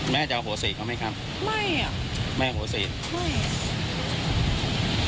แม่จะโหสิตร์เขาไม่ครับแม่โหสิตร์ไหม